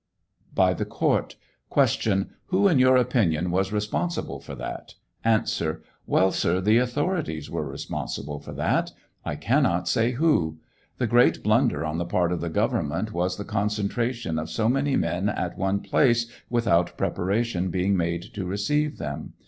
By the Court : Q. Who, in your opinion, was responsible for that ? A. Well, sir, the authorities were responsible for that. I cannot say who. The great blunder on the part of the government was the concentration oi so many men at one place without preparation being made to receive them.